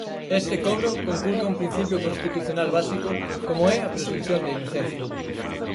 Este cobro conculca un principio constitucional básico como é a presunción de inocencia.